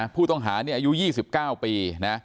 ผู้ต้องหานี่อายุ๒๙ปี